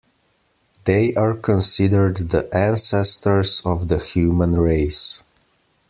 They are considered the ancestors of the human race.